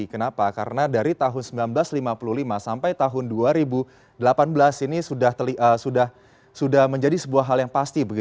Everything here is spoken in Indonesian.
kenapa karena dari tahun seribu sembilan ratus lima puluh lima sampai tahun dua ribu delapan belas ini sudah menjadi sebuah hal yang pasti